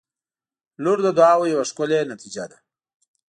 • لور د دعاوو یوه ښکلي نتیجه ده.